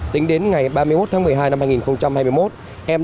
tính đến ngày ba mươi một tháng một mươi hai năm hai nghìn hai mươi một